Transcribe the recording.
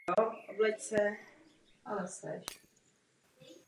Další byla postavená o rok později v Paříži.